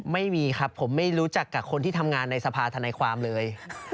ไม่มีครับผมไม่รู้จักกับคนที่ทำงานในสภาธนายความเลย